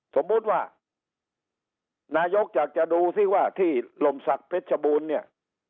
สมมุติว่านายกอยากจะดูซิว่าที่ลมศักดิ์เพชรบูรณ์เนี่ย